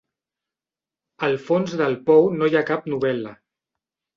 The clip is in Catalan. Al fons del pou no hi ha cap novel·la.